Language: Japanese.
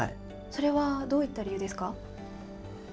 それはどういった理由ですか？